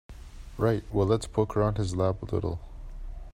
Right, well let's poke around his lab a little.